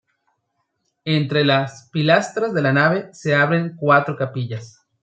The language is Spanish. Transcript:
Entre las pilastras de la nave se abren cuatro capillas.